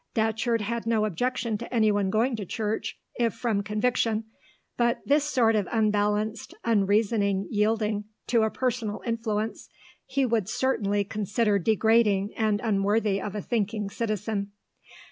Datcherd had no objection to anyone going to church if from conviction, but this sort of unbalanced, unreasoning yielding to a personal influence he would certainly consider degrading and unworthy of a thinking citizen.